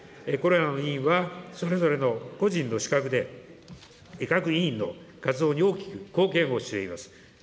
これらの委員はそれぞれの個人の資格で、各委員の活動に大きく貢献をしております。